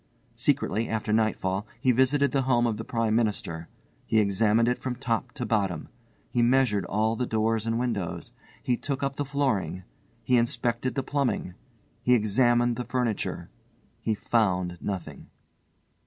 Secretly, after nightfall, he visited the home of the Prime Minister. He examined it from top to bottom. He measured all the doors and windows. He took up the flooring. He inspected the plumbing. He examined the furniture. He found nothing.